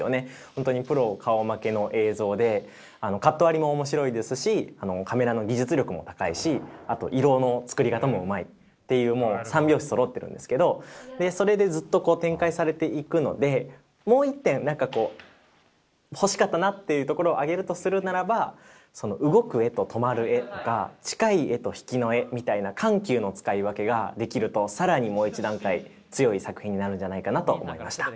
本当にプロ顔負けの映像でカット割りも面白いですしカメラの技術力も高いしあと色の作り方もうまいっていうもう三拍子そろってるんですけどそれでずっと展開されていくのでもう１点何かこう欲しかったなっていうところを挙げるとするならば動く画と止まる画とか近い画と引きの画みたいな緩急の使い分けができると更にもう１段階強い作品になるんじゃないかなと思いました。